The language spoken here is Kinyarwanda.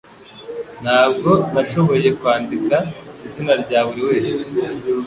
Ntabwo nashoboye kwandika izina rya buri wese